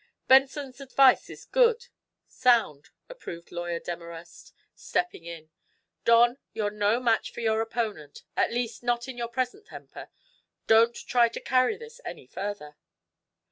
"Benson's advice is good sound," approved Lawyer Demarest, stepping in. "Don, you're no match for your opponent, at least not in your present temper. Don't try to carry this any further."